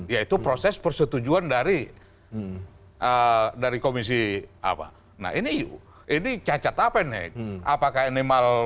yaitu proses persetujuan dari dari komisi apa nah ini ini cacat apa nih apakah ini